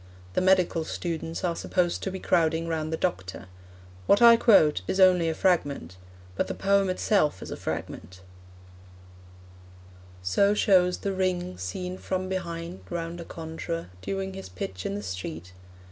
The medical students are supposed to be crowding round the doctor. What I quote is only a fragment, but the poem itself is a fragment: So shows the ring Seen, from behind, round a conjuror Doing his pitch in the street.